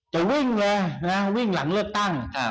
จะวิ่งเลยนะวิ่งหลังเลือกตั้ง